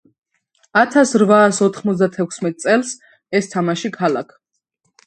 ათასრვაასოთხმოცდათექვსმეტ წელს ეს თამაში ქალაქ